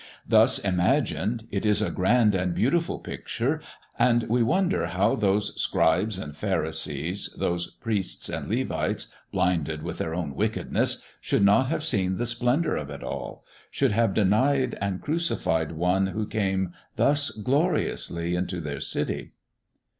Thus imagined, it is a grand and beautiful picture, and we wonder how those scribes and pharisees, those priests and Levites, blinded with their own wickedness, should not have seen the splendor of it all should have denied and crucified One who came thus gloriously into their city.